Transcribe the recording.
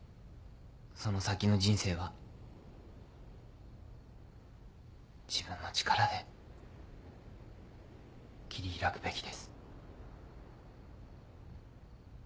その先の人生は自分の力で切り開くべきです。